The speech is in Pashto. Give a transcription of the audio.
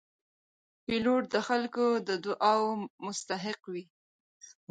پیلوټ د خلکو د دعاو مستحق وي.